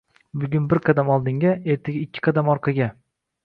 Bugun bir qadam oldinga, ertaga ikki qadam orqaga